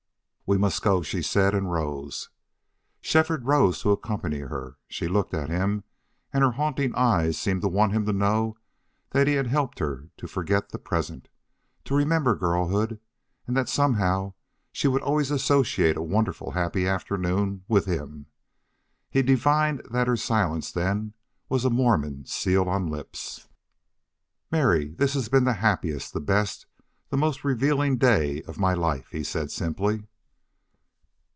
"We must go," she said, and rose. Shefford rose to accompany her. She looked at him, and her haunting eyes seemed to want him to know that he had helped her to forget the present, to remember girlhood, and that somehow she would always associate a wonderful happy afternoon with him. He divined that her silence then was a Mormon seal on lips. "Mary, this has been the happiest, the best, the most revealing day of my life," he said, simply.